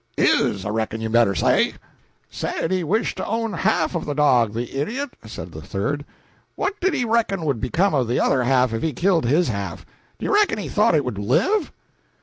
"Is, I reckon you better say." "Said he wished he owned half of the dog, the idiot," said a third. "What did he reckon would become of the other half if he killed his half? Do you reckon he thought it would live?"